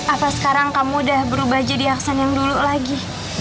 apa sekarang kamu udah berubah jadi aksen yang dulu lagi